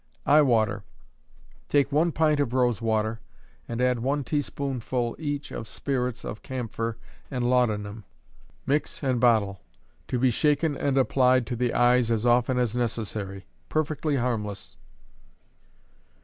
Eye Water. Take one pint of rose water, and add one teaspoonful each of spirits of camphor and laudanum. Mix and bottle. To be shaken and applied to the eyes as often as necessary. Perfectly harmless.